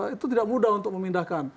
itu tidak mudah untuk memindahkan